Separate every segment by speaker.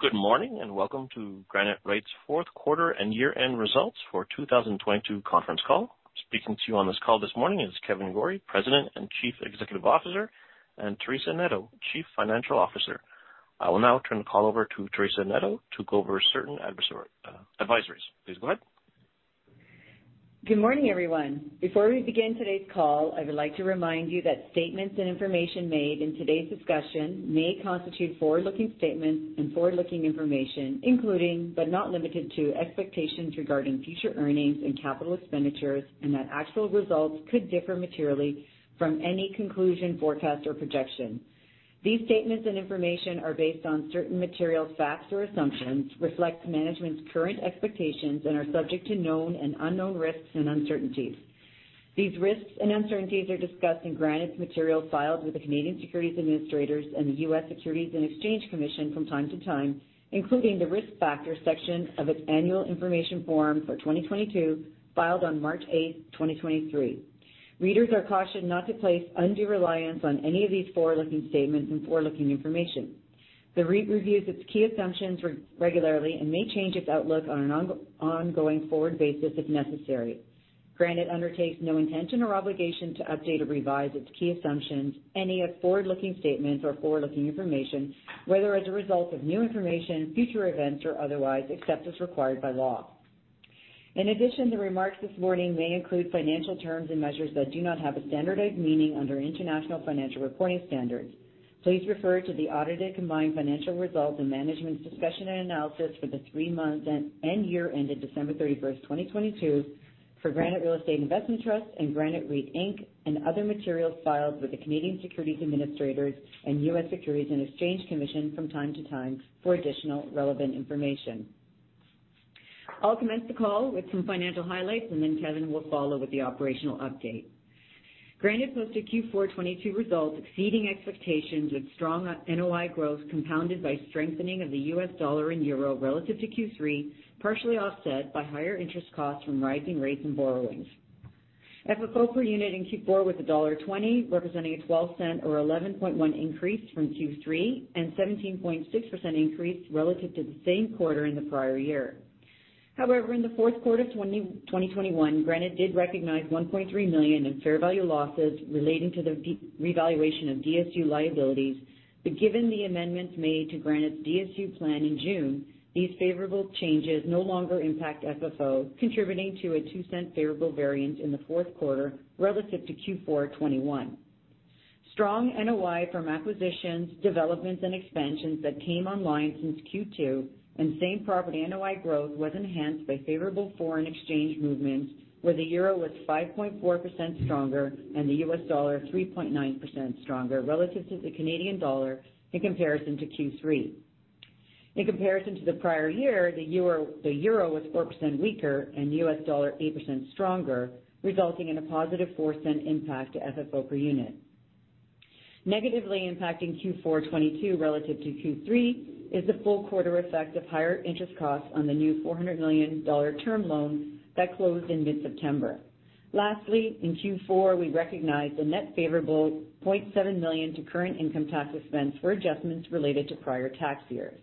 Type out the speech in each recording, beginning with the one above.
Speaker 1: Good morning, welcome to Granite REIT's fourth quarter and year-end results for 2022 conference call. Speaking to you on this call this morning is Kevan Gorrie, President and Chief Executive Officer, and Teresa Neto, Chief Financial Officer. I will now turn the call over to Teresa Neto to go over certain advisory advisories. Please go ahead.
Speaker 2: Good morning, everyone. Before we begin today's call, I would like to remind you that statements and information made in today's discussion may constitute forward-looking statements and forward-looking information, including, but not limited to, expectations regarding future earnings and capital expenditures, and that actual results could differ materially from any conclusion, forecast, or projection. These statements and information are based on certain material facts or assumptions, reflect management's current expectations, and are subject to known and unknown risks and uncertainties. These risks and uncertainties are discussed in Granite's material filed with the Canadian Securities Administrators and the U.S. Securities and Exchange Commission from time to time, including the Risk Factors section of its Annual Information Form for 2022, filed on March 8, 2023. Readers are cautioned not to place undue reliance on any of these forward-looking statements and forward-looking information. The REIT reviews its key assumptions regularly and may change its outlook on an ongoing forward basis if necessary. Granite undertakes no intention or obligation to update or revise its key assumptions, any of forward-looking statements or forward-looking information, whether as a result of new information, future events, or otherwise, except as required by law. In addition, the remarks this morning may include financial terms and measures that do not have a standardized meaning under international financial reporting standards. Please refer to the audited combined financial results and management's discussion and analysis for the 3 months end year ended December 31st, 2022 for Granite Real Estate Investment Trust and Granite REIT Inc., and other materials filed with the Canadian Securities Administrators and US Securities and Exchange Commission from time to time for additional relevant information. I'll commence the call with some financial highlights, and then Kevan Gorrie will follow with the operational update. Granite posted Q4 2022 results exceeding expectations with strong NOI growth compounded by strengthening of the US dollar and euro relative to Q3, partially offset by higher interest costs from rising rates and borrowings. FFO per unit in Q4 was dollar 1.20, representing a 0.12 or 11.1% increase from Q3, and 17.6% increase relative to the same quarter in the prior year. In the fourth quarter of 2021, Granite did recognize CAD 1.3 million in fair value losses relating to the de-revaluation of DSU liabilities. Given the amendments made to Granite's DSU plan in June, these favorable changes no longer impact FFO, contributing to a 0.02 favorable variance in the fourth quarter relative to Q4 2021. Strong NOI from acquisitions, developments, and expansions that came online since Q2. Same property NOI growth was enhanced by favorable foreign exchange movements, where the euro was 5.4% stronger and the US dollar 3.9% stronger relative to the Canadian dollar in comparison to Q3. In comparison to the prior year, the euro was 4% weaker and the US dollar 8% stronger, resulting in a positive CAD 0.04 impact to FFO per unit. Negatively impacting Q4 2022 relative to Q3 is the full quarter effect of higher interest costs on the new 400 million dollar term loan that closed in mid-September. Lastly, in Q4, we recognized a net favorable 0.7 million to current income tax expense for adjustments related to prior tax years.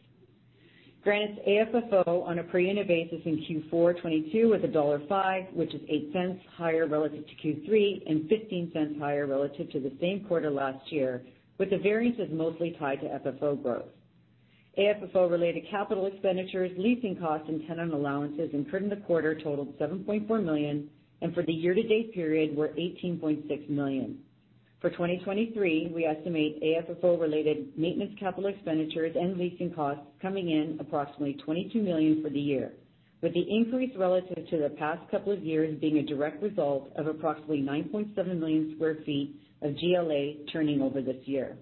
Speaker 2: Granite's AFFO on a per unit basis in Q4 2022 was dollar 1.5, which is 0.08 higher relative to Q3 and 0.15 higher relative to the same quarter last year, with the variances mostly tied to FFO growth. AFFO-related capital expenditures, leasing costs, and tenant allowances incurred in the quarter totaled 7.4 million, and for the year-to-date period were 18.6 million. For 2023, we estimate AFFO-related maintenance capital expenditures and leasing costs coming in approximately 22 million for the year, with the increase relative to the past couple of years being a direct result of approximately 9.7 million sq ft of GLA turning over this year.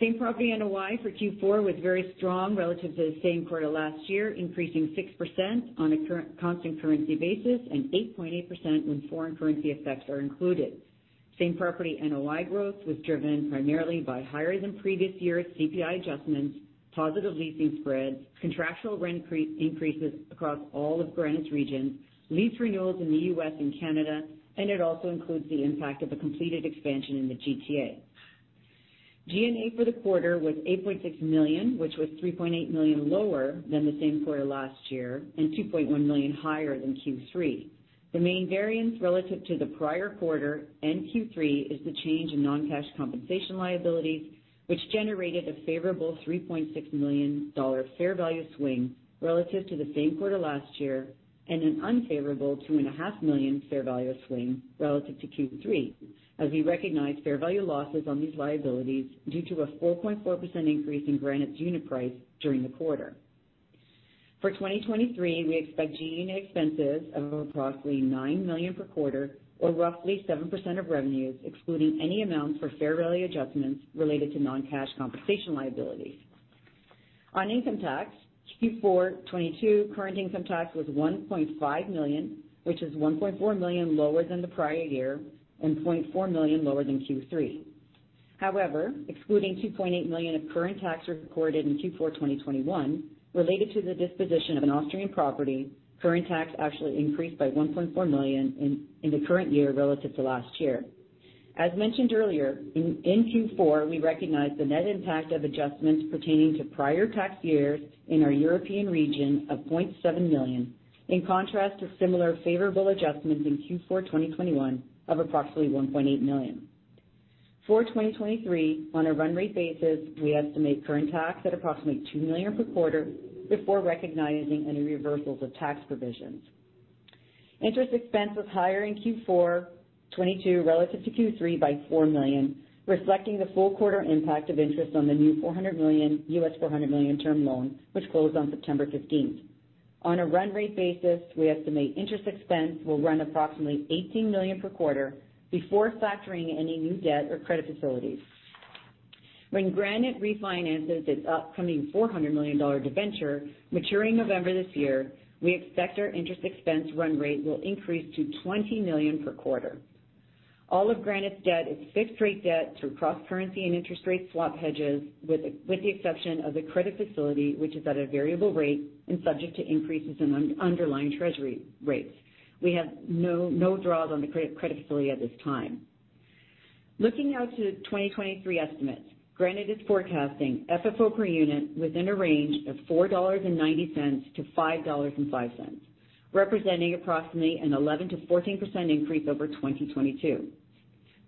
Speaker 2: Same property NOI for Q4 was very strong relative to the same quarter last year, increasing 6% on a constant currency basis and 8.8% when foreign currency effects are included. Same property NOI growth was driven primarily by higher than previous year CPI adjustments, positive leasing spreads, contractual rent increases across all of Granite's regions, lease renewals in the U.S. and Canada, and it also includes the impact of the completed expansion in the GTA. G&A for the quarter was 8.6 million, which was 3.8 million lower than the same quarter last year and 2.1 million higher than Q3. The main variance relative to the prior quarter and Q3 is the change in non-cash compensation liabilities, which generated a favorable 3.6 million dollar fair value swing relative to the same quarter last year and an unfavorable 2.5 million fair value swing relative to Q3, as we recognized fair value losses on these liabilities due to a 4.4% increase in Granite's unit price during the quarter. For 2023, we expect G&A expenses of approximately 9 million per quarter or roughly 7% of revenues, excluding any amounts for fair value adjustments related to non-cash compensation liabilities. Q4 2022 current income tax was 1.5 million, which is 1.4 million lower than the prior year and 0.4 million lower than Q3. Excluding 2.8 million of current taxes recorded in Q4 2021 related to the disposition of an Austrian property, current tax actually increased by 1.4 million in the current year relative to last year. In Q4, we recognized the net impact of adjustments pertaining to prior tax years in our European region of 0.7 million, in contrast to similar favorable adjustments in Q4 2021 of approximately 1.8 million. For 2023, on a run rate basis, we estimate current tax at approximately $2 million per quarter before recognizing any reversals of tax provisions. Interest expense was higher in Q4 2022 relative to Q3 by $4 million, reflecting the full quarter impact of interest on the new 400 million term loan, which closed on September 15th. On a run rate basis, we estimate interest expense will run approximately $18 million per quarter before factoring any new debt or credit facilities. When Granite refinances its upcoming $400 million debenture maturing November this year, we expect our interest expense run rate will increase to $20 million per quarter. All of Granite's debt is fixed rate debt through cross-currency and interest rate swap hedges with the exception of the credit facility, which is at a variable rate and subject to increases in underlying treasury rates. We have no draws on the credit facility at this time. Looking out to 2023 estimates, Granite is forecasting FFO per unit within a range of 4.90-5.05 dollars, representing approximately an 11%-14% increase over 2022.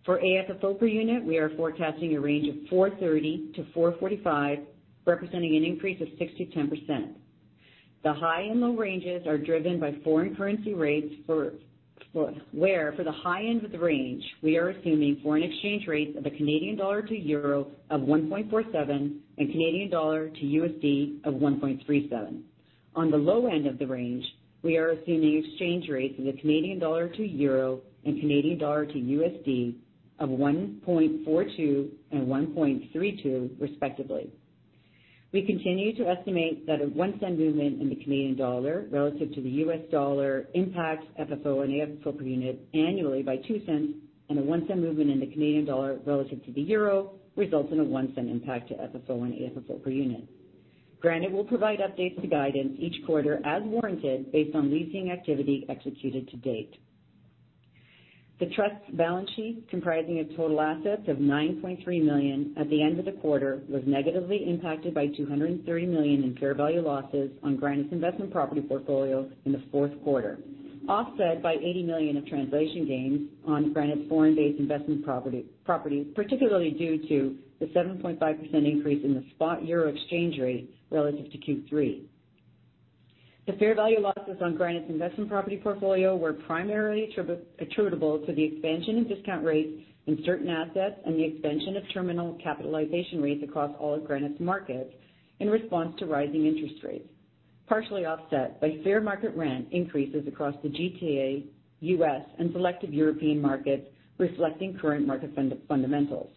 Speaker 2: For AFFO per unit, we are forecasting a range of 4.30-4.45, representing an increase of 6%-10%. The high and low ranges are driven by foreign currency rates for the high end of the range, we are assuming foreign exchange rates of the Canadian dollar to euro of 1.47 and Canadian dollar to USD of 1.37. On the low end of the range, we are assuming exchange rates of the Canadian dollar to euro and Canadian dollar to USD of 1.42 and 1.32 respectively. We continue to estimate that a 0.01 movement in the Canadian dollar relative to the US dollar impacts FFO and AFFO per unit annually by 0.02, and a 0.01 movement in the Canadian dollar relative to the euro results in a 0.01 impact to FFO and AFFO per unit. Granite will provide updates to guidance each quarter as warranted based on leasing activity executed to date. The trust's balance sheet, comprising of total assets of 9.3 million at the end of the quarter, was negatively impacted by 230 million in fair value losses on Granite's investment property portfolio in the fourth quarter, offset by 80 million of translation gains on Granite's foreign-based investment property, particularly due to the 7.5% increase in the spot euro exchange rate relative to Q3. The fair value losses on Granite's investment property portfolio were primarily attributable to the expansion of discount rates in certain assets and the expansion of terminal capitalization rates across all of Granite's markets in response to rising interest rates, partially offset by fair market rent increases across the GTA, US, and selected European markets, reflecting current market fundamentals.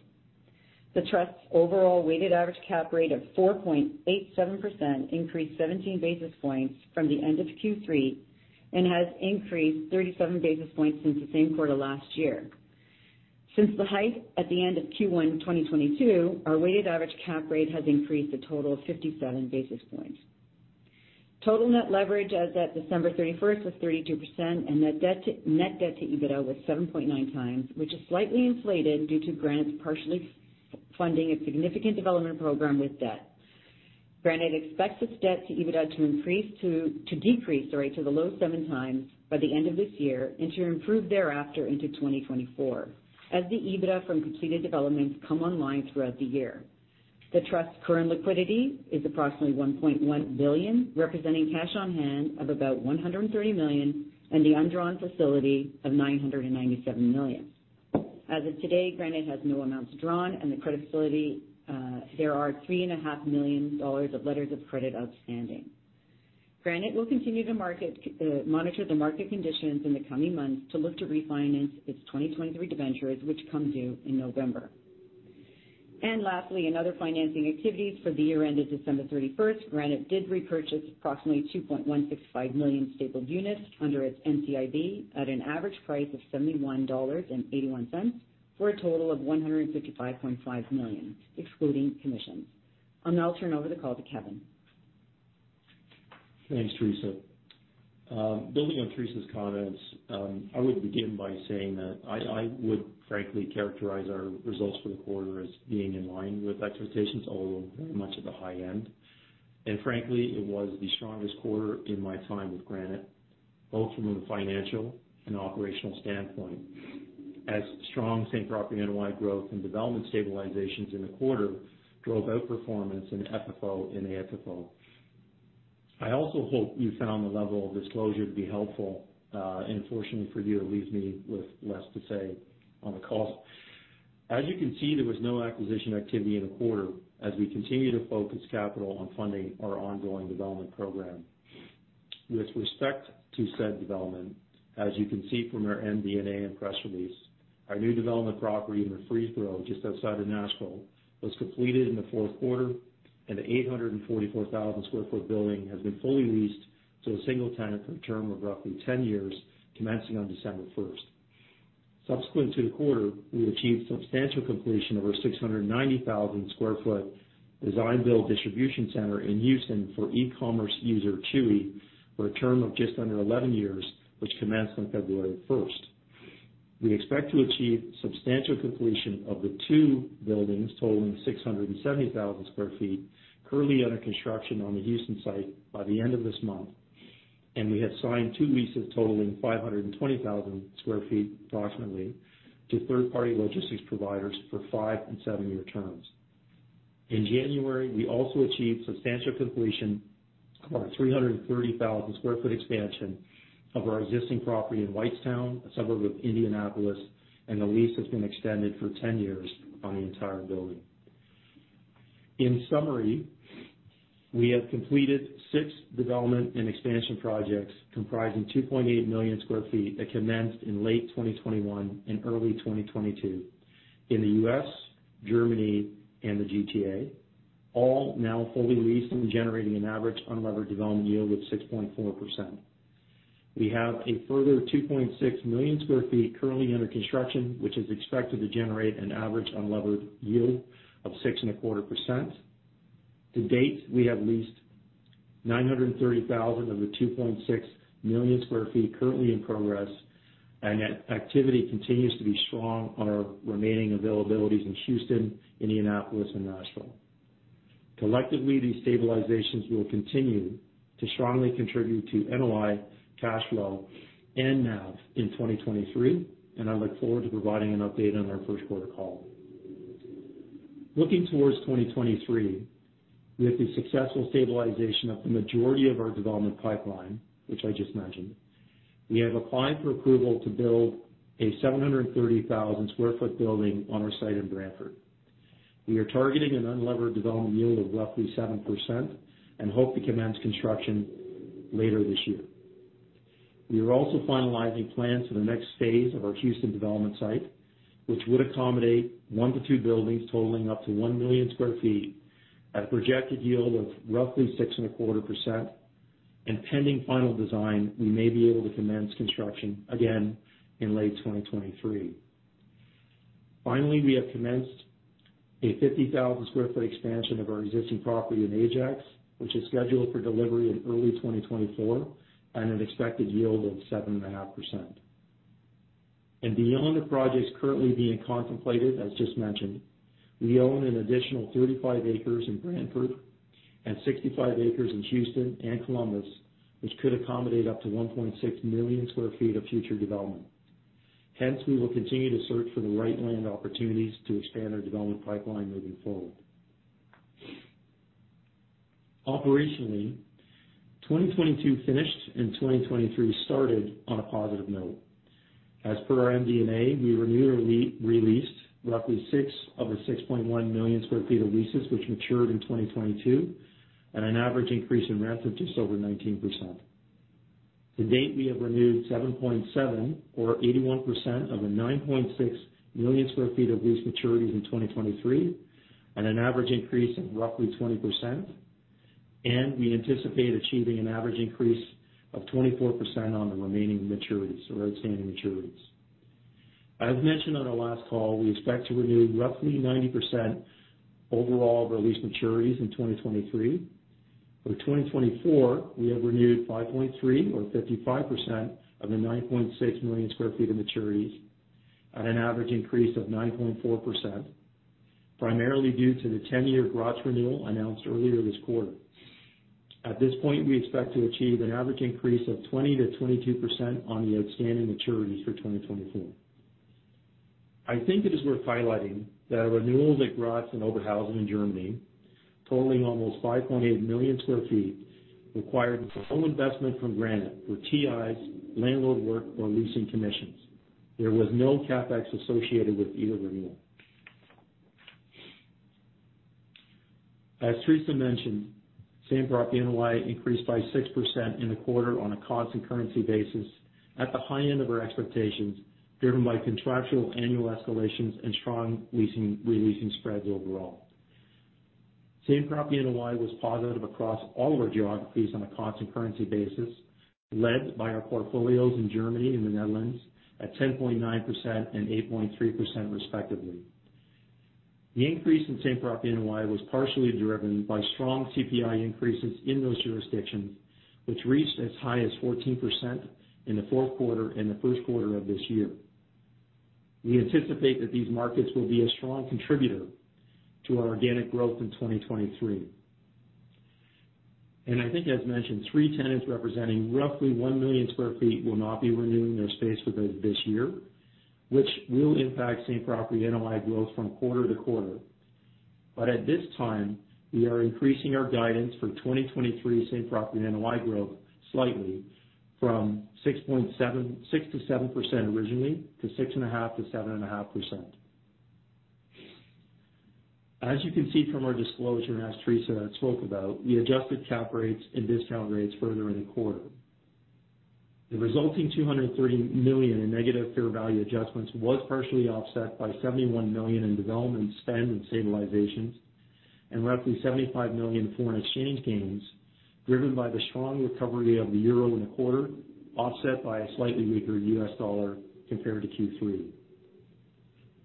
Speaker 2: The trust's overall weighted average cap rate of 4.87% increased 17 basis points from the end of Q3 and has increased 37 basis points since the same quarter last year. Since the hike at the end of Q1 2022, our weighted average cap rate has increased a total of 57 basis points. Total net leverage as at December 31st was 32%, and net debt to EBITDA was 7.9 times, which is slightly inflated due to Granite's partially funding a significant development program with debt. Granite expects its debt to EBITDA to decrease, sorry, to the low 7 times by the end of this year and to improve thereafter into 2024 as the EBITDA from completed developments come online throughout the year. The trust's current liquidity is approximately 1.1 billion, representing cash on hand of about 130 million and the undrawn facility of 997 million. As of today, Granite has no amounts drawn, and the credit facility, there are 3.5 million dollars of letters of credit outstanding. Granite will continue to market, monitor the market conditions in the coming months to look to refinance its 2023 debentures which come due in November. Lastly, in other financing activities for the year ended December 31st, Granite did repurchase approximately 2.165 million stapled units under its NCIB at an average price of 71.81 dollars for a total of 155.5 million, excluding commissions. I'll now turn over the call to Kevan.
Speaker 3: Thanks, Teresa. Building on Teresa's comments, I would begin by saying that I would frankly characterize our results for the quarter as being in line with expectations, although very much at the high end. Frankly, it was the strongest quarter in my time with Granite, both from a financial and operational standpoint as strong same property NOI growth and development stabilizations in the quarter drove outperformance in FFO and AFFO. I also hope you found the level of disclosure to be helpful, fortunately for you, it leaves me with less to say on the call. As you can see, there was no acquisition activity in the quarter as we continue to focus capital on funding our ongoing development program. With respect to said development, as you can see from our MD&A and press release, our new development property in Murfreesboro, just outside of Nashville, was completed in the fourth quarter, and the 844,000 sq ft building has been fully leased to a single tenant for a term of roughly 10 years, commencing on December 1st. Subsequent to the quarter, we achieved substantial completion of our 690,000 sq ft Design build distribution center in Houston for e-commerce user Chewy for a term of just under 11 years, which commenced on February 1st. We expect to achieve substantial completion of the two buildings totaling 670,000 sq ft currently under construction on the Houston site by the end of this month. We have signed two leases totaling 520,000 sq ft approximately to third-party logistics providers for 5- and 7-year terms. In January, we also achieved substantial completion of our 330,000 sq ft expansion of our existing property in Whitestown, a suburb of Indianapolis, and the lease has been extended for 10 years on the entire building. In summary, we have completed 6 development and expansion projects comprising 2.8 million sq ft that commenced in late 2021 and early 2022 in the U.S., Germany, and the GTA, all now fully leased and generating an average unlevered development yield of 6.4%. We have a further 2.6 million sq ft currently under construction, which is expected to generate an average unlevered yield of 6.25%. To date, we have leased 930,000 of the 2.6 million sq ft currently in progress. Activity continues to be strong on our remaining availabilities in Houston, Indianapolis, and Nashville. Collectively, these stabilizations will continue to strongly contribute to NOI cash flow and NAV in 2023. I look forward to providing an update on our first quarter call. Looking towards 2023, with the successful stabilization of the majority of our development pipeline, which I just mentioned, we have applied for approval to build a 730,000 sq ft building on our site in Brantford. We are targeting an unlevered development yield of roughly 7% and hope to commence construction later this year. We are also finalizing plans for the next phase of our Houston development site, which would accommodate one to two buildings totaling up to 1 million sq ft at a projected yield of roughly 6.25%. Pending final design, we may be able to commence construction again in late 2023. Finally, we have commenced a 50,000 sq ft expansion of our existing property in Ajax, which is scheduled for delivery in early 2024 at an expected yield of 7.5%. Beyond the projects currently being contemplated, as just mentioned, we own an additional 35 acres in Brantford and 65 acres in Houston and Columbus, which could accommodate up to 1.6 million sq ft of future development. Hence, we will continue to search for the right land opportunities to expand our development pipeline moving forward. Operationally, 2022 finished and 2023 started on a positive note. As per our MD&A, we renewed or re-released roughly 6 of the 6.1 million square feet of leases which matured in 2022 at an average increase in rent of just over 19%. To date, we have renewed 7.7 or 81% of the 9.6 million square feet of lease maturities in 2023 at an average increase of roughly 20%, and we anticipate achieving an average increase of 24% on the remaining maturities or outstanding maturities. As mentioned on our last call, we expect to renew roughly 90% overall of our lease maturities in 2023. For 2024, we have renewed 5.3 or 55% of the 9.6 million sq ft of maturities at an average increase of 9.4%, primarily due to the 10-year Granite renewal announced earlier this quarter. At this point, we expect to achieve an average increase of 20%-22% on the outstanding maturities for 2024. I think it is worth highlighting that our renewals at Granite and Oberhausen in Germany, totaling almost 5.8 million sq ft, required no investment from Granite for TIs, landlord work, or leasing commissions. There was no CapEx associated with either renewal. As Teresa mentioned, same property NOI increased by 6% in the quarter on a constant currency basis at the high end of our expectations, driven by contractual annual escalations and strong re-leasing spreads overall. Same property NOI was positive across all of our geographies on a constant currency basis, led by our portfolios in Germany and the Netherlands at 10.9% and 8.3% respectively. The increase in same property NOI was partially driven by strong CPI increases in those jurisdictions, which reached as high as 14% in the fourth quarter and the first quarter of this year. We anticipate that these markets will be a strong contributor to our organic growth in 2023. I think as mentioned, three tenants representing roughly 1 million sq ft will not be renewing their space with us this year, which will impact same property NOI growth from quarter-to-quarter. At this time, we are increasing our guidance for 2023 same-property NOI growth slightly from 6%-7% originally to 6.5%-7.5%. As you can see from our disclosure, and as Teresa spoke about, we adjusted cap rates and discount rates further in the quarter. The resulting 230 million in negative fair value adjustments was partially offset by 71 million in development spend and stabilizations and roughly 75 million foreign exchange gains, driven by the strong recovery of the euro in the quarter, offset by a slightly weaker US dollar compared to Q3.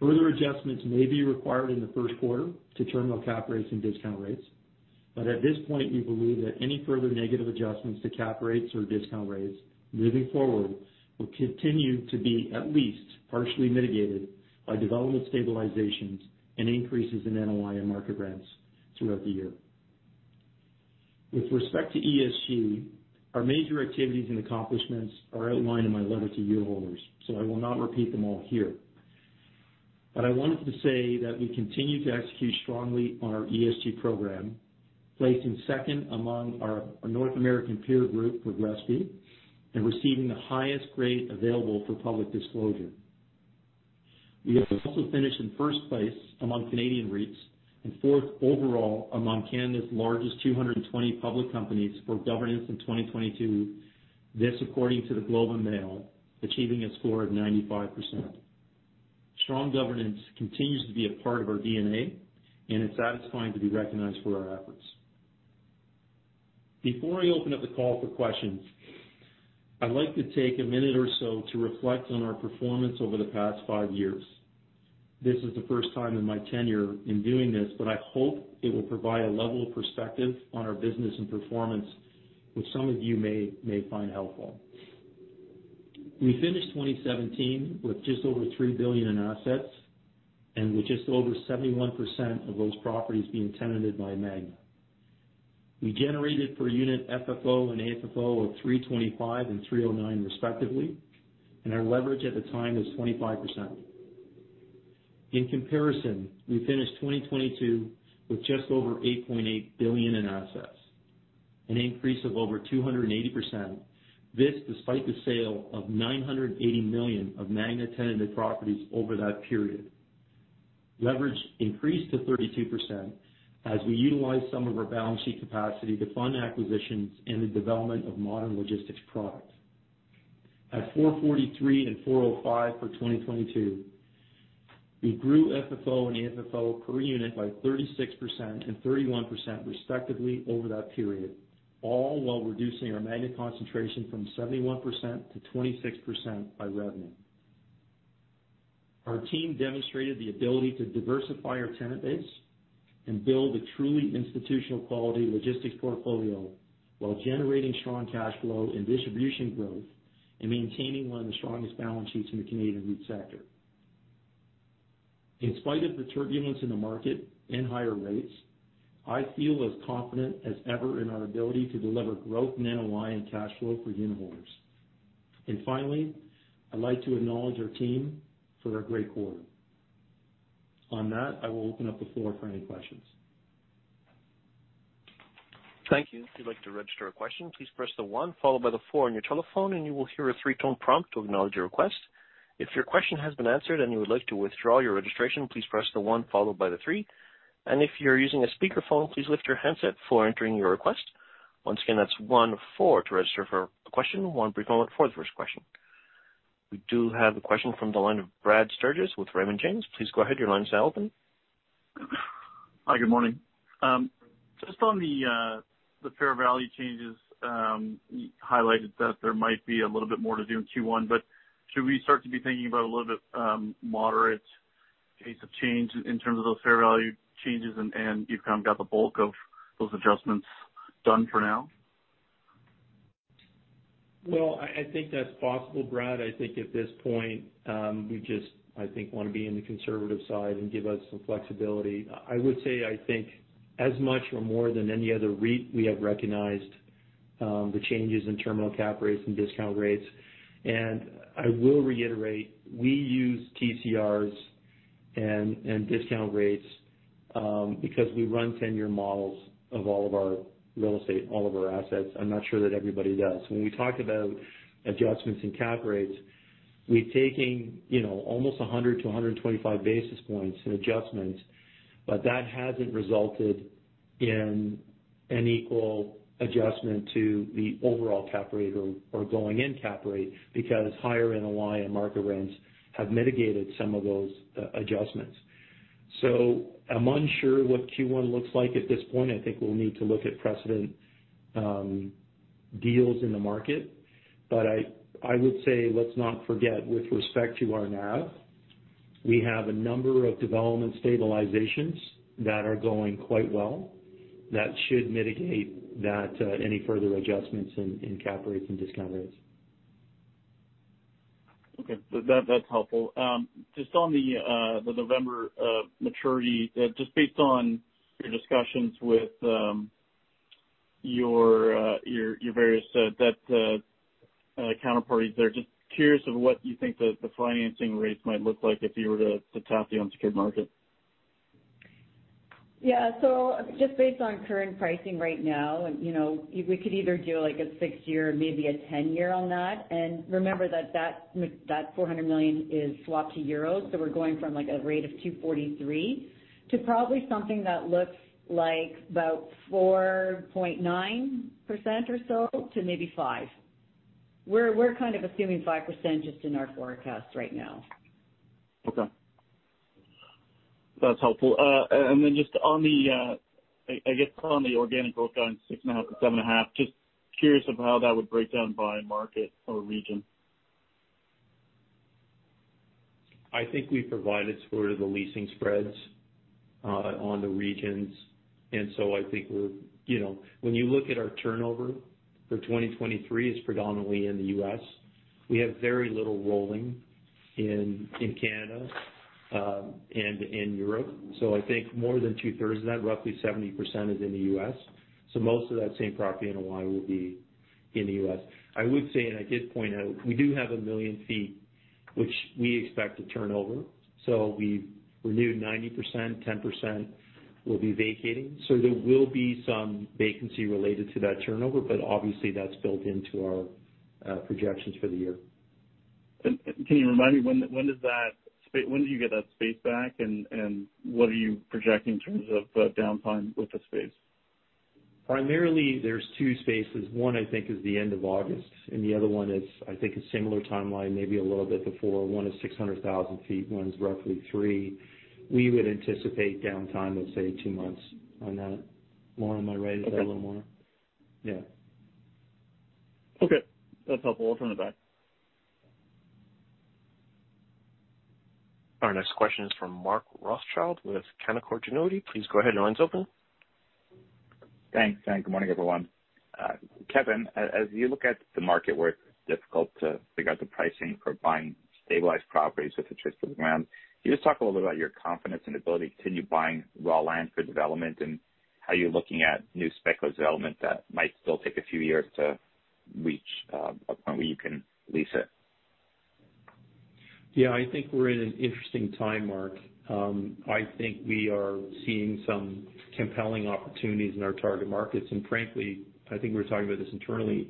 Speaker 3: Further adjustments may be required in the first quarter to terminal cap rates and discount rates. At this point, we believe that any further negative adjustments to cap rates or discount rates moving forward will continue to be at least partially mitigated by development stabilizations and increases in NOI and market rents throughout the year. With respect to ESG, our major activities and accomplishments are outlined in my letter to unitholders, so I will not repeat them all here. I wanted to say that we continue to execute strongly on our ESG program, placing second among our North American peer group with RSPI and receiving the highest grade available for public disclosure. We have also finished in first place among Canadian REITs and fourth overall among Canada's largest 220 public companies for governance in 2022. This according to The Globe and Mail, achieving a score of 95%. Strong governance continues to be a part of our DNA, and it's satisfying to be recognized for our efforts. Before I open up the call for questions, I'd like to take a minute or so to reflect on our performance over the past five years. This is the first time in my tenure in doing this, but I hope it will provide a level of perspective on our business and performance, which some of you may find helpful. We finished 2017 with just over 3 billion in assets and with just over 71% of those properties being tenanted by Magna. We generated per unit FFO and AFFO of 3.25 and 3.09 respectively, and our leverage at the time was 25%. In comparison, we finished 2022 with just over 8.8 billion in assets, an increase of over 280%. This despite the sale of 980 million of Magna-tenanted properties over that period. Leverage increased to 32% as we utilized some of our balance sheet capacity to fund acquisitions and the development of modern logistics products. At CAD 4.43 and 4.05 for 2022, we grew FFO and AFFO per unit by 36% and 31% respectively over that period, all while reducing our Magna concentration from 71% to 26% by revenue. Our team demonstrated the ability to diversify our tenant base and build a truly institutional quality logistics portfolio while generating strong cash flow and distribution growth and maintaining one of the strongest balance sheets in the Canadian REIT sector. In spite of the turbulence in the market and higher rates, I feel as confident as ever in our ability to deliver growth in NOI and cash flow for unitholders. Finally, I'd like to acknowledge our team for their great quarter. On that, I will open up the floor for any questions.
Speaker 1: Thank you. If you'd like to register a question, please press the one followed by the four on your telephone, and you will hear a 3-tone prompt to acknowledge your request. If your question has been answered and you would like to withdraw your registration, please press the one followed by the three. If you're using a speakerphone, please lift your handset before entering your request. Once again, that's 1-4 to register for a question, 1-3 follow it for the first question. We do have a question from the line of Brad Sturges with Raymond James. Please go ahead. Your line is now open.
Speaker 4: Hi, good morning. Just on the fair value changes, you highlighted that there might be a little bit more to do in Q1, but should we start to be thinking about a little bit, moderate pace of change in terms of those fair value changes, and you've kind of got the bulk of those adjustments done for now?
Speaker 3: Well, I think that's possible, Brad. I think at this point, we just, I think, wanna be in the conservative side and give us some flexibility. I would say, I think, as much or more than any other REIT we have recognized, the changes in terminal cap rates and discount rates. I will reiterate, we use TCRs and discount rates because we run 10-year models of all of our real estate, all of our assets. I'm not sure that everybody does. When we talk about adjustments in cap rates, we're taking, you know, almost 100 to 125 basis points in adjustments, that hasn't resulted in an equal adjustment to the overall cap rate or going-in cap rate because higher NOI and market rents have mitigated some of those adjustments. I'm unsure what Q1 looks like at this point. I think we'll need to look at precedent deals in the market. I would say let's not forget, with respect to our NAV, we have a number of development stabilizations that are going quite well that should mitigate that any further adjustments in cap rates and discount rates.
Speaker 4: That's helpful. Just on the November maturity, just based on your discussions with your various debt counterparties there, just curious of what you think the financing rates might look like if you were to tap the unsecured market?
Speaker 2: Just based on current pricing right now, you know, we could either do like a 6-year, maybe a 10-year on that. Remember that 400 million is swapped to euros. We're going from like a rate of 2.43 to probably something that looks like about 4.9% or so to maybe 5%. We're kind of assuming 5% just in our forecast right now.
Speaker 4: Okay. That's helpful. Just on the, I guess on the organic book on 6.5%-7.5%, just curious of how that would break down by market or region.
Speaker 3: I think we provided sort of the leasing spreads on the regions. You know, when you look at our turnover for 2023, it's predominantly in the U.S. We have very little rolling in Canada, and in Europe. I think more than two-thirds of that, roughly 70% is in the U.S. Most of that same property NOI will be in the U.S. I would say, and I did point out, we do have 1 million sq ft which we expect to turn over. We renewed 90%, 10% will be vacating. There will be some vacancy related to that turnover, but obviously that's built into our projections for the year.
Speaker 4: Can you remind me when do you get that space back, and what are you projecting in terms of downtime with the space?
Speaker 3: Primarily, there's two spaces. One, I think, is the end of August, and the other one is, I think, a similar timeline, maybe a little bit before. One is 600,000 feet, one is roughly three. We would anticipate downtime of, say, two months on that. Lauren, am I right?
Speaker 4: Okay.
Speaker 3: Is that a little more? Yeah.
Speaker 4: Okay. That's helpful. We'll turn it back.
Speaker 1: Our next question is from Mark Rothschild with Canaccord Genuity. Please go ahead. Your line's open.
Speaker 5: Thanks. Good morning, everyone. Kevin, as you look at the market where it's difficult to figure out the pricing for buying stabilized properties with the twist of the ground, can you just talk a little bit about your confidence and ability to continue buying raw land for development and how you're looking at new spec development that might still take a few years to reach a point where you can lease it?
Speaker 3: Yeah. I think we're in an interesting time, Mark. I think we are seeing some compelling opportunities in our target markets. Frankly, I think we're talking about this internally,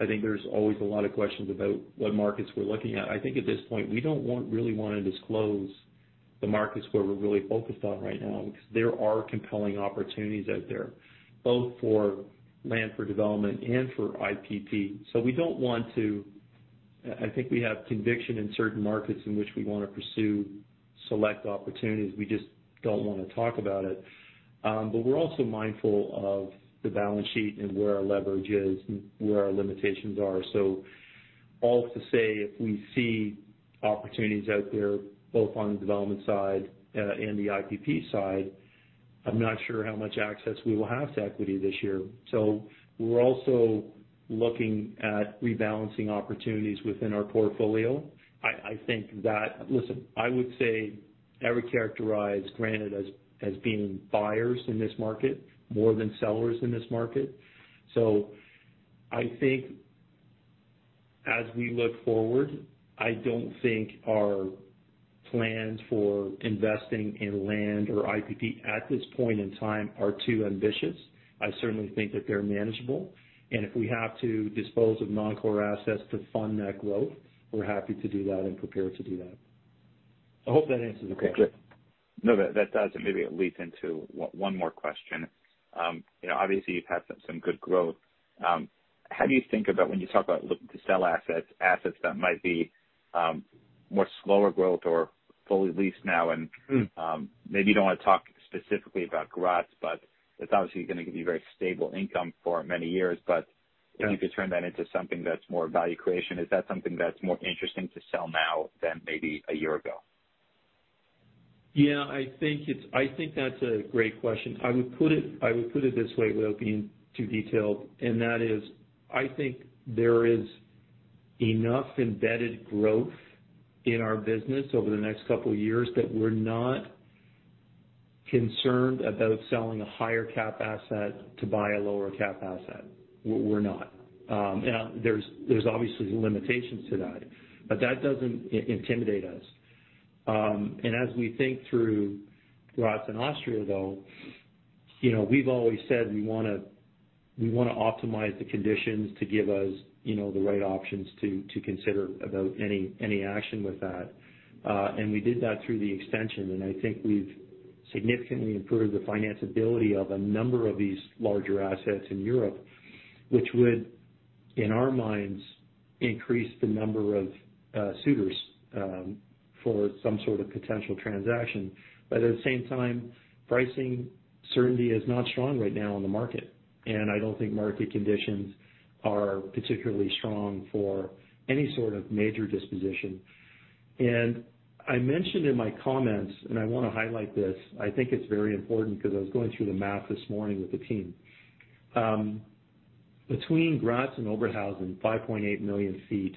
Speaker 3: I think there's always a lot of questions about what markets we're looking at. I think at this point, we don't really wanna disclose the markets where we're really focused on right now because there are compelling opportunities out there, both for land for development and for IPP. We don't want to... I think we have conviction in certain markets in which we wanna pursue select opportunities. We just don't wanna talk about it. We're also mindful of the balance sheet and where our leverage is and where our limitations are. All to say, if we see opportunities out there, both on the development side, and the IPP side, I'm not sure how much access we will have to equity this year. We're also looking at rebalancing opportunities within our portfolio. I think. Listen, I would say I would characterize Granite as being buyers in this market more than sellers in this market. I think as we look forward, I don't think our plans for investing in land or IPP at this point in time are too ambitious. I certainly think that they're manageable. If we have to dispose of non-core assets to fund that growth, we're happy to do that and prepared to do that. I hope that answers the question.
Speaker 5: Okay. Good. No, that does, and maybe it leads into one more question. You know, obviously you've had some good growth. How do you think about when you talk about look to sell assets that might be, more slower growth or fully leased now.
Speaker 3: Mm.
Speaker 5: maybe you don't wanna talk specifically about Graz, but it's obviously gonna give you very stable income for many years.
Speaker 3: Yeah.
Speaker 5: If you could turn that into something that's more value creation, is that something that's more interesting to sell now than maybe a year ago?
Speaker 3: Yeah, I think that's a great question. I would put it this way without being too detailed, that is I think there is enough embedded growth in our business over the next couple of years that we're not concerned about selling a higher cap asset to buy a lower cap asset. We're not. There's obviously limitations to that, but that doesn't intimidate us. As we think through Graz and Austria, though, you know, we've always said we wanna optimize the conditions to give us, you know, the right options to consider about any action with that. We did that through the extension, I think we've significantly improved the financability of a number of these larger assets in Europe, which would, in our minds, increase the number of suitors for some sort of potential transaction. At the same time, pricing certainty is not strong right now in the market, and I don't think market conditions are particularly strong for any sort of major disposition. I mentioned in my comments, and I wanna highlight this, I think it's very important because I was going through the math this morning with the team. Between Graz and Oberhausen, 5.8 million feet,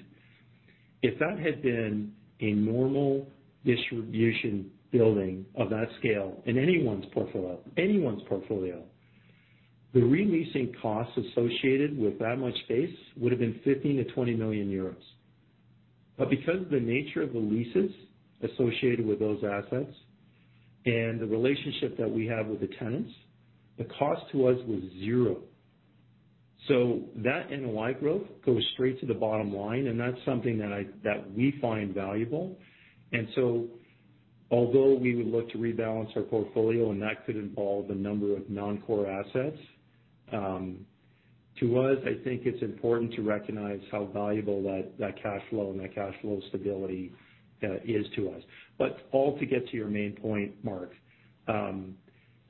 Speaker 3: if that had been a normal distribution building of that scale in anyone's portfolio, anyone's portfolio, the re-leasing costs associated with that much space would've been 15 million-20 million euros. Because of the nature of the leases associated with those assets and the relationship that we have with the tenants, the cost to us was 0. That NOI growth goes straight to the bottom line, and that's something that we find valuable. Although we would look to rebalance our portfolio, and that could involve a number of non-core assets, to us, I think it's important to recognize how valuable that cash flow and that cash flow stability is to us. All to get to your main point, Mark,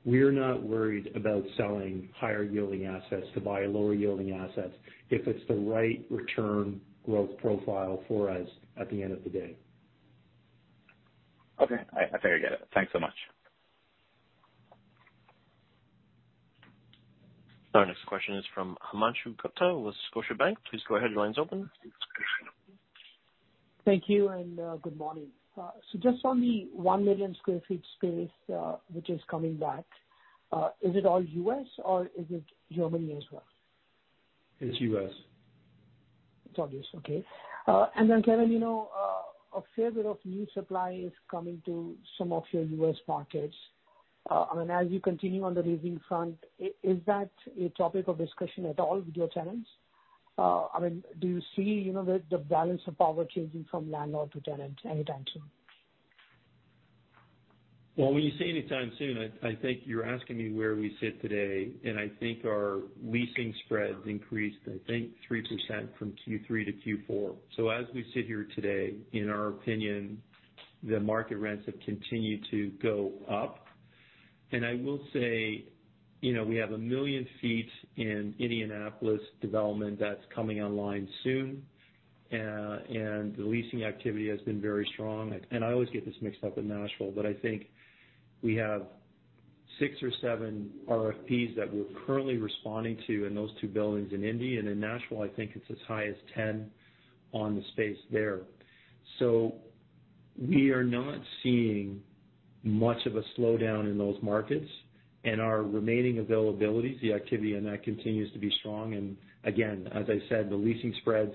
Speaker 3: we're not worried about selling higher yielding assets to buy lower yielding assets if it's the right return growth profile for us at the end of the day.
Speaker 5: Okay. I think I get it. Thanks so much.
Speaker 1: Our next question is from Himanshu Gupta with Scotiabank. Please go ahead. Your line's open.
Speaker 6: Thank you, good morning. Just on the 1 million sq ft space, which is coming back, is it all U.S. or is it Germany as well?
Speaker 3: It's U.S.
Speaker 6: It's all U.S. Okay. Then Kevin, you know, a fair bit of new supply is coming to some of your U.S. markets. I mean, as you continue on the leasing front, is that a topic of discussion at all with your tenants? I mean, do you see, you know, the balance of power changing from landlord to tenant anytime soon?
Speaker 3: When you say anytime soon, I think you're asking me where we sit today, and I think our leasing spreads increased, I think 3% from Q3 to Q4. As we sit here today, in our opinion, the market rents have continued to go up. I will say, you know, we have 1 million sq ft in Indianapolis development that's coming online soon. The leasing activity has been very strong. I always get this mixed up with Nashville, but I think we have six or seven RFPs that we're currently responding to in those two buildings in Indy and in Nashville, I think it's as high as 10 on the space there. We are not seeing much of a slowdown in those markets. Our remaining availabilities, the activity in that continues to be strong. Again, as I said, the leasing spreads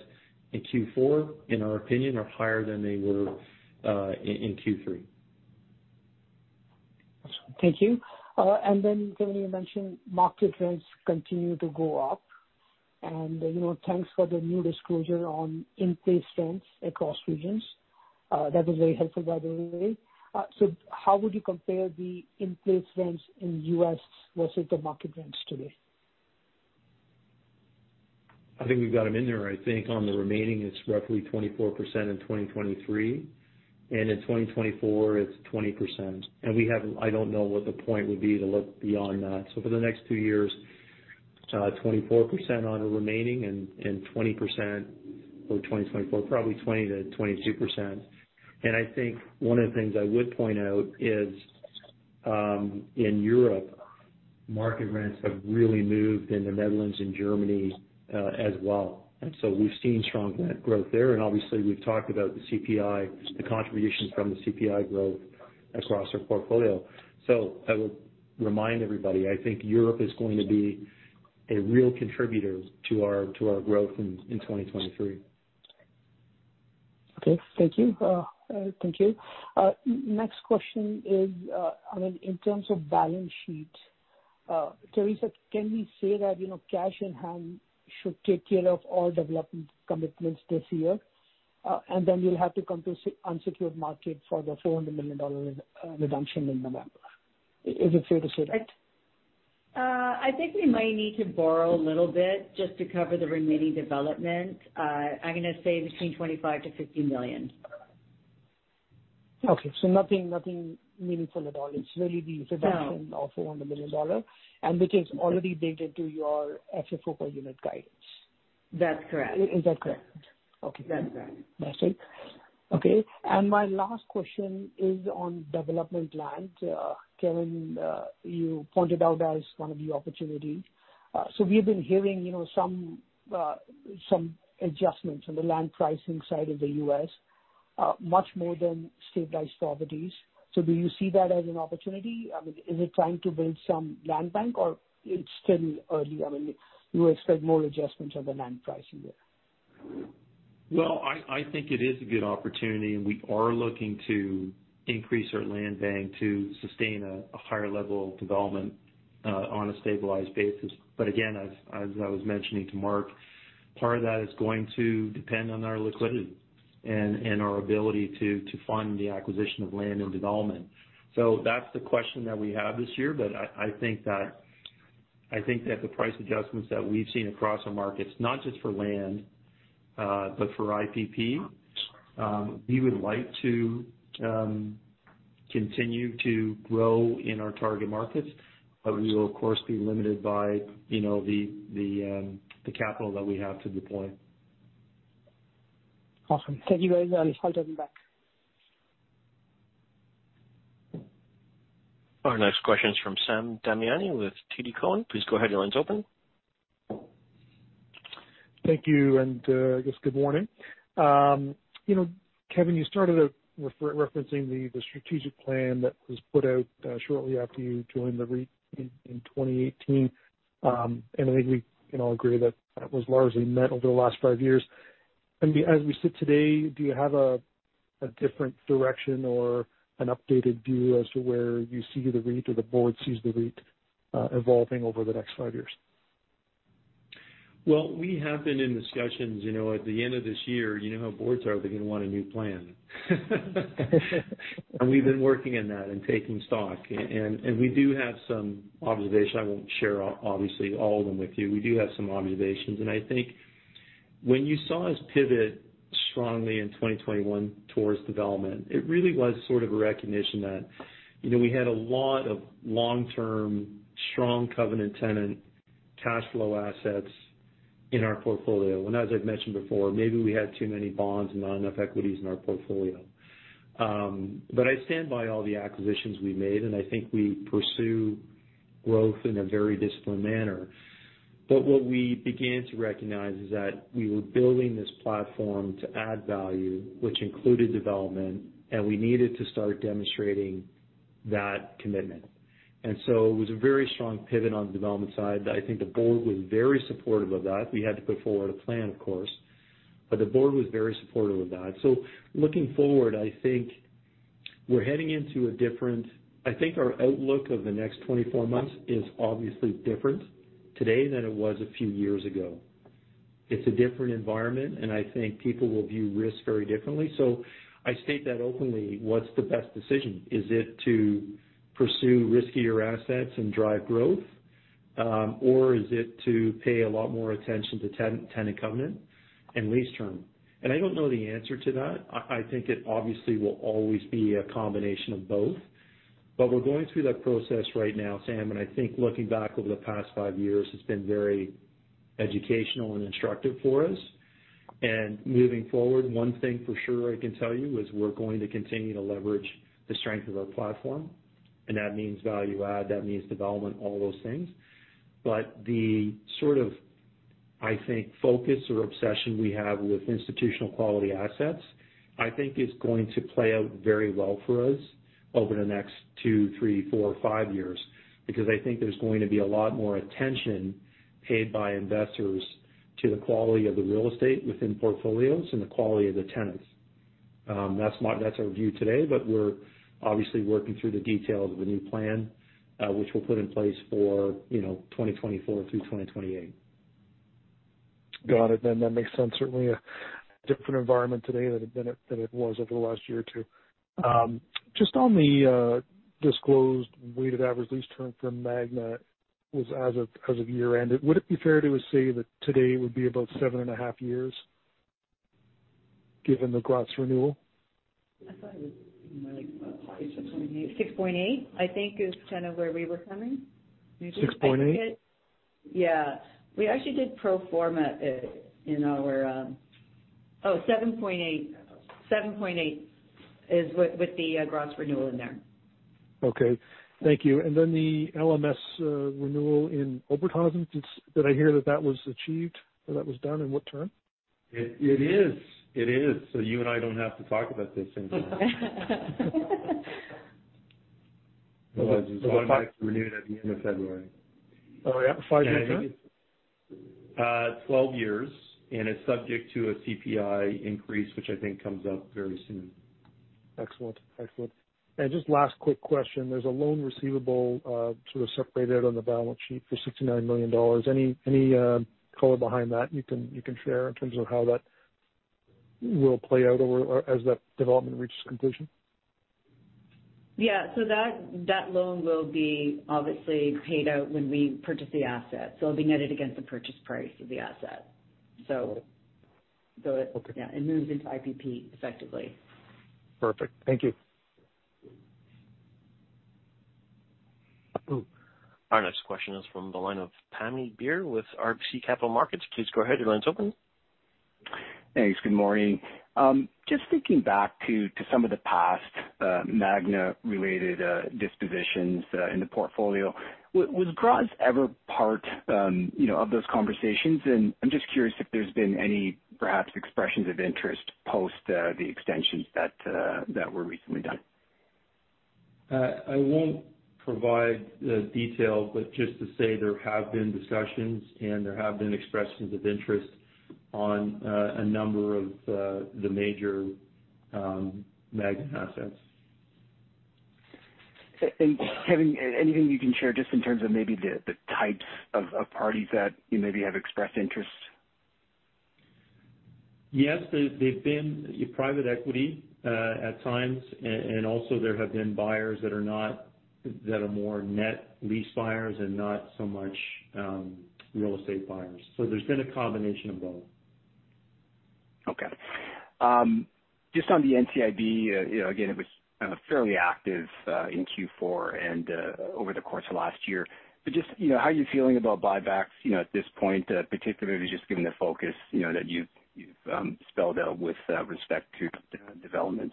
Speaker 3: in Q4, in our opinion, are higher than they were, in Q3.
Speaker 6: Thank you. Kevan, you mentioned market rents continue to go up. You know, thanks for the new disclosure on in-place rents across regions. That was very helpful, by the way. How would you compare the in-place rents in U.S. versus the market rents today?
Speaker 3: I think we've got them in there. I think on the remaining it's roughly 24% in 2023, and in 2024 it's 20%. I don't know what the point would be to look beyond that. For the next two years, 24% on the remaining and 20% for 2024, probably 20%-22%. I think one of the things I would point out is, in Europe, market rents have really moved in the Netherlands and Germany as well. We've seen strong net growth there. Obviously we've talked about the CPI, the contribution from the CPI growth across our portfolio. I would remind everybody, I think Europe is going to be a real contributor to our growth in 2023.
Speaker 6: Okay. Thank you. Thank you. Next question is, I mean, in terms of balance sheet, Teresa, can we say that, you know, cash in hand should take care of all development commitments this year, and then you'll have to come to unsecured market for the 400 million dollar redemption in November? Is it fair to say that?
Speaker 2: I think we might need to borrow a little bit just to cover the remaining development. I'm gonna say between 25 million-50 million.
Speaker 6: Okay. Nothing, nothing meaningful at all. It's really the.
Speaker 2: No.
Speaker 6: redemption of 400 million dollars, which is already baked into your FFO per unit guidance.
Speaker 2: That's correct.
Speaker 6: Is that correct? Okay.
Speaker 2: That's right.
Speaker 6: That's it. Okay. My last question is on development land. Kevin, you pointed out as one of the opportunities. We've been hearing, you know, some adjustments on the land pricing side of the U.S., much more than stabilized properties. Do you see that as an opportunity? I mean, is it time to build some land bank or it's still early? I mean, you expect more adjustments on the land pricing there?
Speaker 3: I think it is a good opportunity, and we are looking to increase our land bank to sustain a higher level of development on a stabilized basis. Again, as I was mentioning to Mark, part of that is going to depend on our liquidity and our ability to fund the acquisition of land and development. That's the question that we have this year. I think that, I think that the price adjustments that we've seen across our markets, not just for land, but for IPP, we would like to continue to grow in our target markets, but we will of course, be limited by, you know, the capital that we have to deploy.
Speaker 6: Awesome. Thank you guys. I'll talk to you back.
Speaker 1: Our next question is from Sam Damiani with TD Cowen. Please go ahead, your line's open.
Speaker 7: Thank you, I guess good morning. You know, Kevin, you started out referencing the strategic plan that was put out shortly after you joined the REIT in 2018. I think we can all agree that that was largely met over the last 5 years. As we sit today, do you have a different direction or an updated view as to where you see the REIT or the board sees the REIT evolving over the next 5 years?
Speaker 3: Well, we have been in discussions. You know, at the end of this year, you know how boards are, they're gonna want a new plan. We've been working on that and taking stock. We do have some observations. I won't share obviously all of them with you. We do have some observations. When you saw us pivot strongly in 2021 towards development, it really was sort of a recognition that, you know, we had a lot of long-term, strong covenant tenant cash flow assets in our portfolio. As I've mentioned before, maybe we had too many bonds and not enough equities in our portfolio. I stand by all the acquisitions we made, and I think we pursue growth in a very disciplined manner. What we began to recognize is that we were building this platform to add value, which included development, and we needed to start demonstrating that commitment. It was a very strong pivot on the development side that I think the board was very supportive of that. We had to put forward a plan, of course, the board was very supportive of that. Looking forward, I think our outlook of the next 24 months is obviously different today than it was a few years ago. It's a different environment, and I think people will view risk very differently. I state that openly. What's the best decision? Is it to pursue riskier assets and drive growth, or is it to pay a lot more attention to ten-tenant covenant and lease term? I don't know the answer to that. I think it obviously will always be a combination of both. We're going through that process right now, Sam, and I think looking back over the past five years has been very educational and instructive for us. Moving forward, one thing for sure I can tell you is we're going to continue to leverage the strength of our platform, and that means value add, that means development, all those things. The sort of, I think, focus or obsession we have with institutional quality assets, I think is going to play out very well for us over the next two, three, four, five years because I think there's going to be a lot more attention paid by investors to the quality of the real estate within portfolios and the quality of the tenants. That's our view today, but we're obviously working through the details of a new plan, which we'll put in place for, you know, 2024 through 2028.
Speaker 7: Got it. That makes sense. Certainly a different environment today than it was over the last year or two. Just on the disclosed weighted average lease term for Magna was as of year-end. Would it be fair to say that today it would be about seven and a half years, given the gross renewal?
Speaker 2: I thought it was probably 6.8. 6.8, I think, is kind of where we were coming.
Speaker 7: Six-point-eight?
Speaker 2: Yeah. We actually did pro forma in our. Oh, 7.8. 7.8 is with the gross renewal in there.
Speaker 7: Okay. Thank you. Then the LMS renewal in Oberhausen, did I hear that that was achieved or that was done, and what term?
Speaker 3: It is. It is. You and I don't have to talk about this anymore. It was renewed at the end of February.
Speaker 7: Oh, yeah? Five-year term?
Speaker 3: 12 years, and it's subject to a CPI increase, which I think comes up very soon.
Speaker 7: Excellent. Excellent. Just last quick question. There's a loan receivable, sort of separated on the balance sheet for 69 million dollars. Any color behind that you can share in terms of how that will play out over as that development reaches conclusion?
Speaker 2: Yeah. That loan will be obviously paid out when we purchase the asset. It'll be netted against the purchase price of the asset. Yeah.
Speaker 7: Okay.
Speaker 2: It moves into IPP effectively.
Speaker 7: Perfect. Thank you.
Speaker 1: Our next question is from the line of Pammi Bir with RBC Capital Markets. Please go ahead. Your line's open.
Speaker 8: Thanks. Good morning. Just thinking back to some of the past, Magna-related, dispositions in the portfolio, was Gorrie ever part, you know, of those conversations? I'm just curious if there's been any perhaps expressions of interest post the extensions that were recently done.
Speaker 3: I won't provide the detail, but just to say there have been discussions and there have been expressions of interest on a number of the major Magna assets.
Speaker 8: Having anything you can share just in terms of maybe the types of parties that you maybe have expressed interest?
Speaker 3: Yes, they've been private equity, at times, and also there have been buyers that are more net lease buyers and not so much, real estate buyers. There's been a combination of both.
Speaker 8: Okay. Just on the NCIB, you know, again, it was fairly active in Q4 and over the course of last year. Just, you know, how are you feeling about buybacks, you know, at this point, particularly just given the focus, you know, that you've spelled out with respect to development?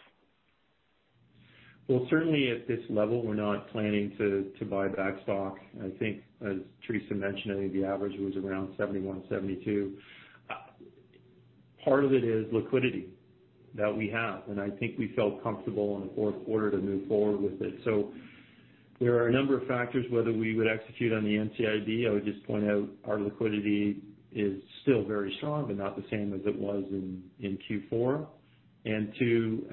Speaker 3: Well, certainly at this level, we're not planning to buy back stock. I think as Teresa mentioned, I think the average was around 71, 72. Part of it is liquidity that we have, and I think we felt comfortable in the fourth quarter to move forward with it. There are a number of factors whether we would execute on the NCIB. I would just point out our liquidity is still very strong, but not the same as it was in Q4. Two,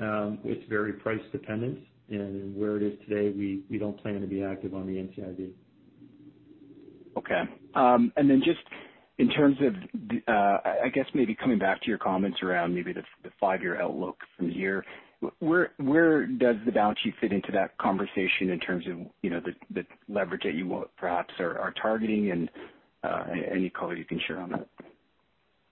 Speaker 3: it's very price dependent and where it is today, we don't plan to be active on the NCIB.
Speaker 8: Okay. Just in terms of the I guess maybe coming back to your comments around maybe the five-year outlook from here, where does the balance sheet fit into that conversation in terms of, you know, the leverage that you perhaps are targeting and any color you can share on that?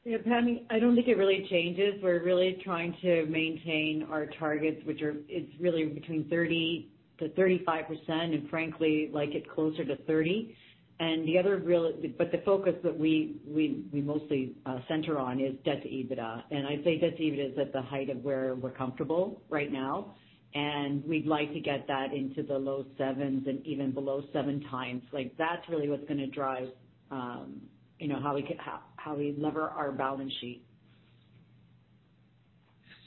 Speaker 2: Yeah, Pammi, I don't think it really changes. We're really trying to maintain our targets, it's really between 30%-35%, and frankly, like it closer to 30. The focus that we mostly center on is debt to EBITDA. I'd say debt to EBITDA is at the height of where we're comfortable right now, and we'd like to get that into the low 7s and even below 7 times. Like, that's really what's gonna drive, you know, how we lever our balance sheet.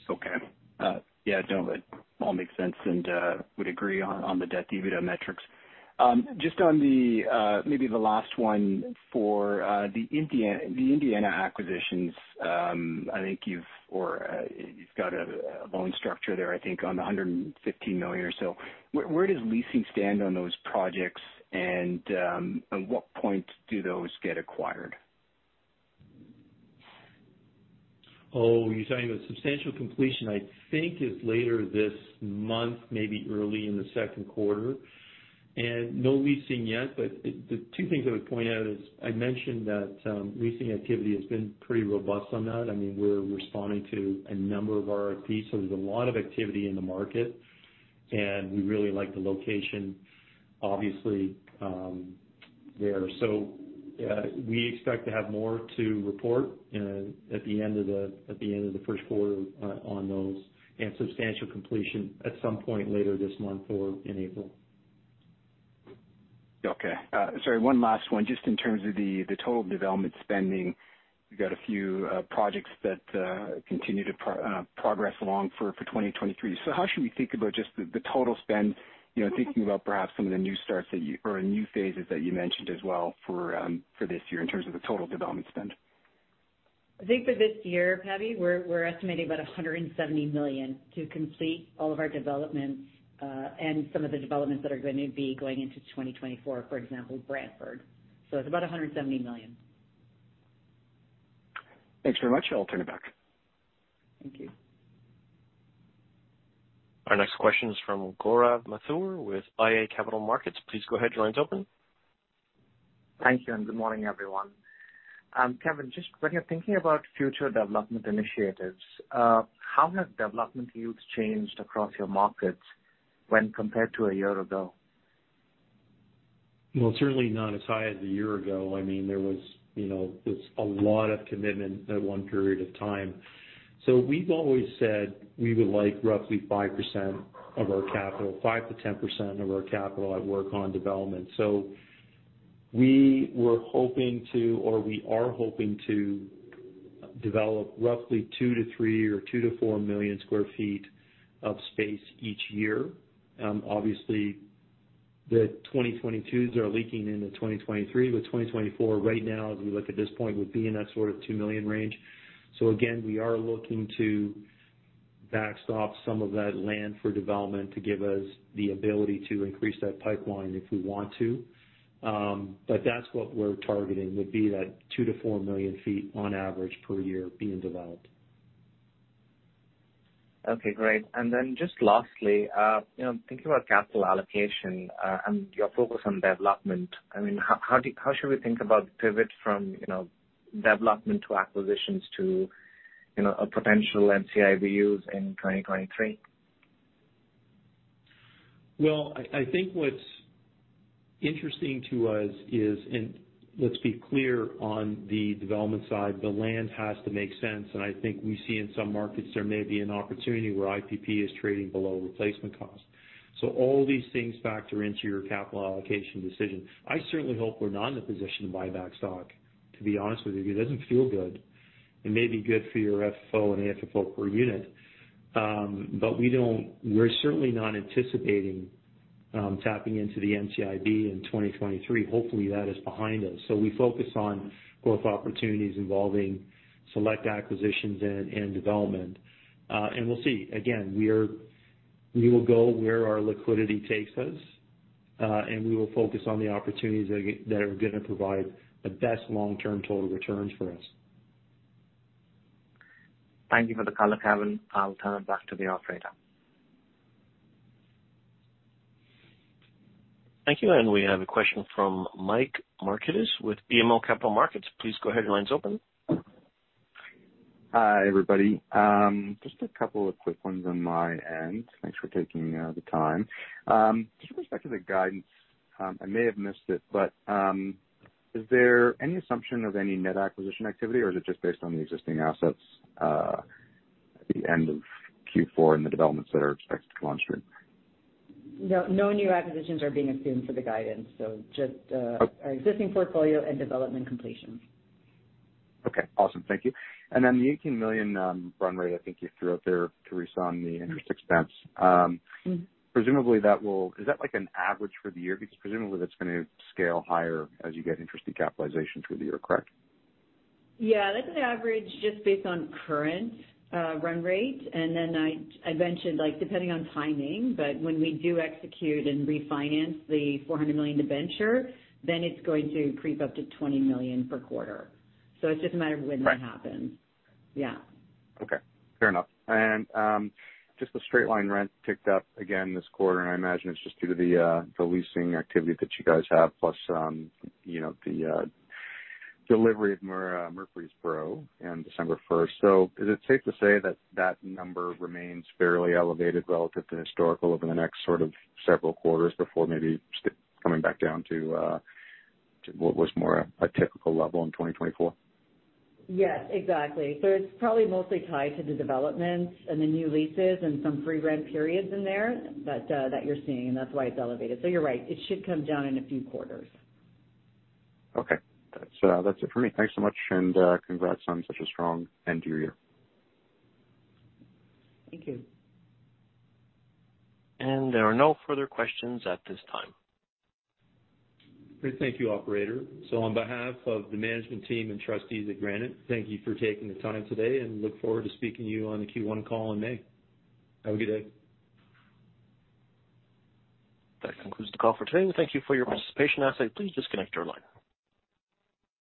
Speaker 8: Okay. Yeah, no, it all makes sense, and would agree on the debt to EBITDA metrics. Just on the maybe the last one for the Indiana acquisitions. I think you've got a loan structure there, I think on the $115 million or so. Where does leasing stand on those projects? At what point do those get acquired?
Speaker 3: Oh, you're talking about substantial completion, I think is later this month, maybe early in the second quarter. No leasing yet, but the two things I would point out is I mentioned that leasing activity has been pretty robust on that. I mean, we're responding to a number of RFPs, so there's a lot of activity in the market, and we really like the location, obviously, there. We expect to have more to report at the end of the first quarter on those, and substantial completion at some point later this month or in April.
Speaker 8: Okay. Sorry, one last one. Just in terms of the total development spending, you've got a few projects that continue to progress along for 2023. How should we think about just the total spend, you know, thinking about perhaps some of the new starts that you or new phases that you mentioned as well for this year in terms of the total development spend?
Speaker 2: I think for this year, Patty, we're estimating about 170 million to complete all of our developments, and some of the developments that are going to be going into 2024, for example, Brantford. It's about 170 million.
Speaker 8: Thanks very much. I'll turn it back.
Speaker 2: Thank you.
Speaker 1: Our next question is from Gaurav Mathur with iA Capital Markets. Please go ahead. Your line's open.
Speaker 9: Thank you, and good morning, everyone. Kevan, just when you're thinking about future development initiatives, how have development yields changed across your markets when compared to a year ago?
Speaker 3: Certainly not as high as a year ago. I mean, there was, you know, there's a lot of commitment at one period of time. We've always said we would like roughly 5% of our capital, 5%-10% of our capital at work on development. We were hoping to or we are hoping to develop roughly 2 million-3 million or 2 million-4 million sq ft of space each year. Obviously, the 2022s are leaking into 2023, with 2024 right now, as we look at this point, would be in that sort of 2 million range. Again, we are looking to backstop some of that land for development to give us the ability to increase that pipeline if we want to. That's what we're targeting, would be that 2 million-4 million sq ft on average per year being developed.
Speaker 9: Okay, great. Then just lastly, you know, thinking about capital allocation, and your focus on development, I mean, how should we think about the pivot from, you know, development to acquisitions to, you know, a potential NCIB use in 2023?
Speaker 3: I think what's interesting to us is, let's be clear on the development side, the land has to make sense. I think we see in some markets there may be an opportunity where IPP is trading below replacement cost. All these things factor into your capital allocation decision. I certainly hope we're not in a position to buy back stock, to be honest with you. It doesn't feel good. It may be good for your FFO and AFFO per unit, we're certainly not anticipating tapping into the NCIB in 2023. Hopefully, that is behind us. We focus on growth opportunities involving select acquisitions and development. We'll see. Again, we will go where our liquidity takes us, and we will focus on the opportunities that are gonna provide the best long-term total returns for us.
Speaker 9: Thank you for the color, Kevin. I'll turn it back to the operator.
Speaker 1: Thank you. We have a question from Mike Markidis with BMO Capital Markets. Please go ahead. Your line's open.
Speaker 10: Hi, everybody. Just a couple of quick ones on my end. Thanks for taking the time. Just with respect to the guidance, I may have missed it, but is there any assumption of any net acquisition activity, or is it just based on the existing assets at the end of Q4 and the developments that are expected to come on stream?
Speaker 2: No, no new acquisitions are being assumed for the guidance.
Speaker 10: Okay.
Speaker 2: our existing portfolio and development completions.
Speaker 10: Okay, awesome. Thank you. The 18 million run rate I think you threw out there, Teresa, on the interest expense?
Speaker 2: Mm-hmm.
Speaker 10: Is that like an average for the year? Presumably that's gonna scale higher as you get interest in capitalizations for the year, correct?
Speaker 2: Yeah. That's an average just based on current run rate. I mentioned, like, depending on timing, when we do execute and refinance the 400 million debenture, it's going to creep up to 20 million per quarter. It's just a matter of when that happens.
Speaker 10: Right.
Speaker 2: Yeah.
Speaker 10: Okay. Fair enough. Just the straight line rent ticked up again this quarter, and I imagine it's just due to the leasing activity that you guys have, plus, you know, the delivery of Murfreesboro in December first. Is it safe to say that that number remains fairly elevated relative to historical over the next sort of several quarters before maybe coming back down to what was more a typical level in 2024?
Speaker 2: Yes, exactly. It's probably mostly tied to the developments and the new leases and some free rent periods in there, but that you're seeing, and that's why it's elevated. You're right. It should come down in a few quarters.
Speaker 10: Okay. That's it for me. Thanks so much, and congrats on such a strong end to your year.
Speaker 2: Thank you.
Speaker 1: There are no further questions at this time.
Speaker 3: Great. Thank you, operator. On behalf of the management team and trustees at Granite, thank you for taking the time today, and look forward to speaking to you on the Q1 call in May. Have a good day.
Speaker 1: That concludes the call for today. Thank you for your participation. Please disconnect your line.